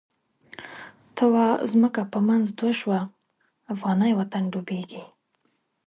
ته واځمکه په منځ دوه شوه، افغانی وطن ډوبیږی